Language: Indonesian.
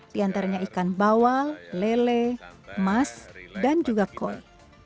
di antaranya ikan bawal lele emas dan juga koi